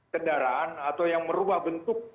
kendaraan atau yang merubah bentuk